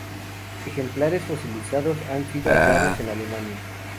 Ejemplares fosilizados han sido hallados en Alemania.